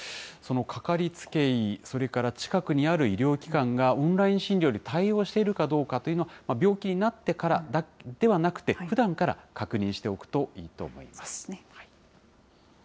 そのかかりつけ医、それから近くにある医療機関がオンライン診療に対応しているかどうかというのは、病気になってからではなくて、ふだんから確認しておくといいと思います。